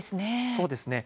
そうですね。